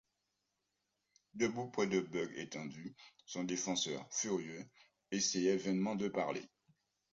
Debout près de Buck étendu, son défenseur, furieux, essayait vainement de parler.